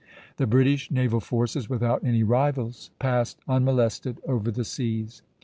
The British naval forces, without any rivals, passed unmolested over the seas.